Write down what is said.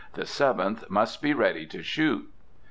The Seventh must be ready to shoot.